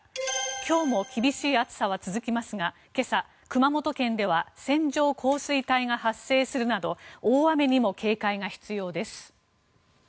今日も厳しい暑さは続きますが今朝、熊本県では線状降水帯が発生するなど大雨にも警戒が必要です。